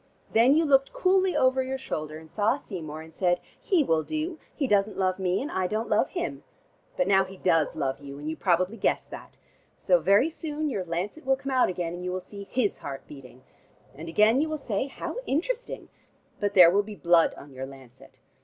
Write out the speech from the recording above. Then you looked coolly over your shoulder and saw Seymour, and said, 'He will do: he doesn't love me and I don't love him!' But now he does love you, and you probably guess that. So, very soon, your lancet will come out again, and you will see his heart beating. And again you will say, 'How interesting!' But there will be blood on your lancet.